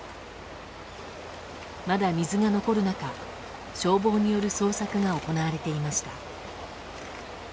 まだ水が残る中消防による捜索が行われていました。